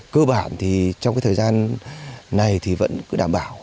cơ bản thì trong cái thời gian này thì vẫn cứ đảm bảo